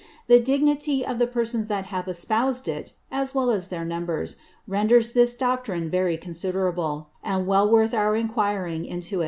The Dignity of the Persons that have espoused it, as well as their Numbers, renders this Doctrine very considerable, and well worth our enquiring into.